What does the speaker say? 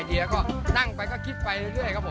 เดียก็นั่งไปก็คิดไปเรื่อยครับผม